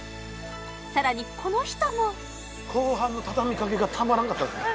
さらにこの人も後半の畳み掛けがたまらんかったですね